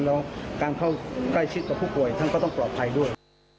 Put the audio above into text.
แล้วการเข้าใกล้ชิดกับผู้ป่วยท่านก็ต้องปลอดภัยด้วย